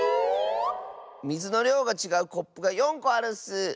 みずのりょうがちがうコップが４こあるッス。